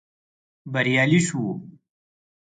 بريالي شوو.